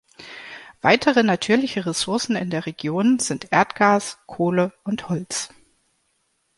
Weitere natürliche Ressourcen in der Region sind Erdgas, Kohle und Holz.